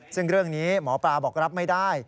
ซึ่งเรื่องนี้หมอปลาบอกรับไม่ได้